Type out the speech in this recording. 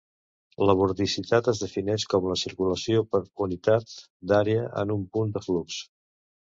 La vorticitat es defineix com la circulació per unitat d'àrea en un punt del flux.